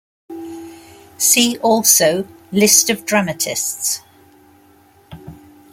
See also: List of dramatists.